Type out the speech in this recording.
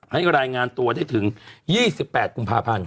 ให้รายงานตัวได้ถึง๒๘กุมภาพันธ์